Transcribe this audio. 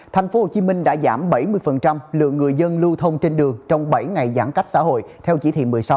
thành phố hồ chí minh đã giảm bảy mươi lượng người dân lưu thông trên đường trong bảy ngày giãn cách xã hội theo chỉ thị một mươi sáu